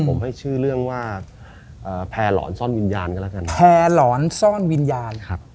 ผมให้ชื่อเรื่องว่าแพร่หลอนซ่อนวิญญาณกันแล้วกันแพร่หลอนซ่อนวิญญาณครับ